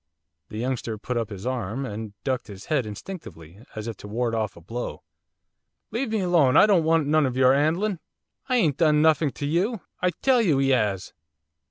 The youngster put up his arm, and ducked his head, instinctively, as if to ward off a blow. 'Leave me alone! I don't want none of your 'andling! I ain't done nuffink to you! I tell you 'e 'as!